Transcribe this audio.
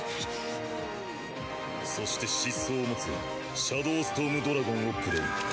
そして疾走を持つシャドウ・ストームドラゴンをプレイ。